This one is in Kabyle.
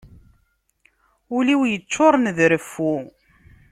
Ul-iw yeččuren d reffu.